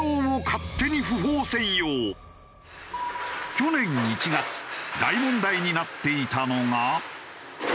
去年１月大問題になっていたのが。